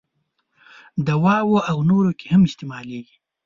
دواوو او نورو کې هم استعمالیږي.